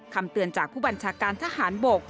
คำเตือนจากผู้บัญชาการทหารบก